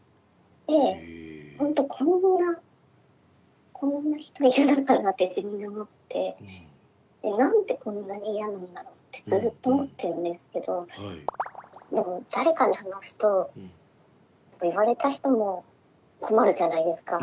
でほんとこんなこんな人いるのかなって自分で思ってで「何でこんなに嫌なんだろう」ってずっと思ってるんですけどでも誰かに話すと言われた人も困るじゃないですか？